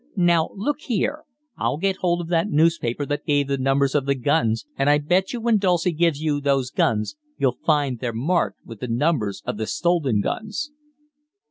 Now look here, I'll get hold of that newspaper that gave the numbers of the guns, and I bet you when Dulcie gives you those guns you'll find they're marked with the numbers of the stolen guns."